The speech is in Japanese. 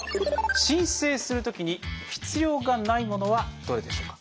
申請するときに必要がないものはどれでしょうか？